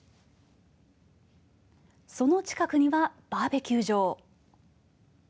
その近くにはバーベキュー場。